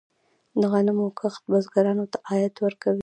د غنمو کښت بزګرانو ته عاید ورکوي.